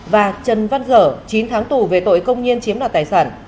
và trần văn dở chín tháng tù về tội công nhiên chiếm đoạt tài sản